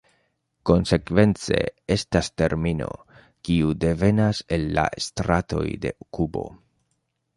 Konsekvence estas termino, kiu devenas el la stratoj de Kubo.